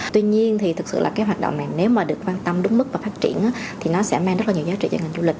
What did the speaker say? tuy nhiên thì thực sự là cái hoạt động này nếu mà được quan tâm đúng mức và phát triển thì nó sẽ mang rất là nhiều giá trị cho ngành du lịch